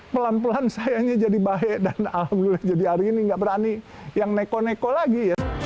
pelan pelan sayanya jadi baik dan alhamdulillah jadi hari ini nggak berani yang neko neko lagi ya